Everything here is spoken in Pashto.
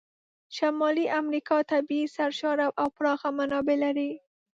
شمالي امریکا طبیعي سرشاره او پراخه منابع لري.